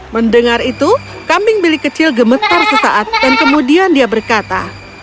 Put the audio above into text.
mendengar itu kambing bilik kecil gemetar sesaat dan kemudian dia berkata